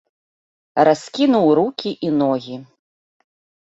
Раскінуў рукі і ногі.